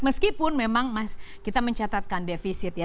meskipun memang kita mencatatkan defisit ya